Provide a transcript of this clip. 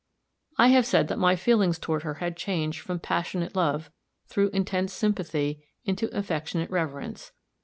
I have said that my feelings toward her had changed from passionate love, through intense sympathy, into affectionate reverence.